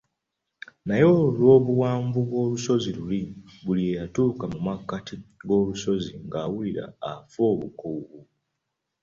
Naye olw'obuwanvu bw’olusozi luli buli eyatuukanga mu makkati g'olusozi ng'awulira afa obukoowu.